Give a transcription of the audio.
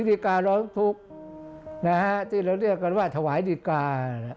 ดีการร้องทุกข์ที่เราเรียกกันว่าถวายดีกา